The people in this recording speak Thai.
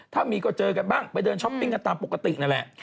ถ้ามีก็เจอกันบ้างไปเดินช้อปปิ้งกันตามปกตินั่นแหละ